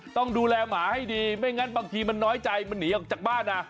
ต้องดูแลหมาให้ดีไม่งั้นบางทีมันน้อยใจมันหนีออกจากบ้านนะ